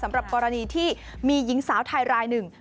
สำหรับกรณีที่มีหญิงสาวไทยรายหนึ่ง